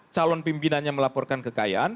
calon pimpinannya melaporkan kekayaan